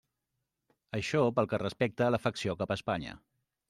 Això pel que respecta a l'afecció cap a Espanya.